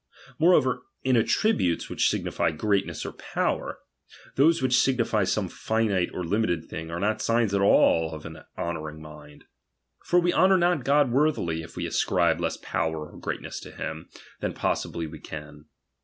Moreover, in attributes which signify greatness or power, those which signify some finite or limited thing, are not signs at all of an honouring mind. For we honour not God worthily, if we ascribe less power or greatness to him than possibly we can.